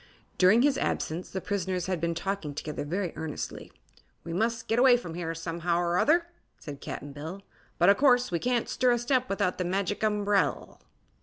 During his absence the prisoners had been talking together very earnestly. "We must get away from here, somehow 'r other," said Cap'n Bill; "but o' course we can't stir a step without the Magic Umbrel."